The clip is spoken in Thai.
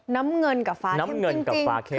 น้ำเงินกับฟ้าเข้มน้ำเงินกับฟ้าเข้มจริง